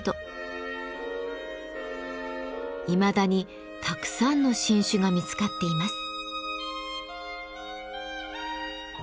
いまだにたくさんの新種が見つかっています。